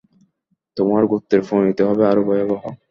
তোমার গোত্রের পরিণতি হবে আরো ভয়াবহ।